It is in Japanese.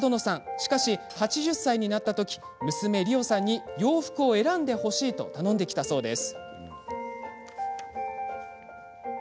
しかし８０歳になったとき娘の、りおさんに洋服を選んでほしいと頼んできたんです。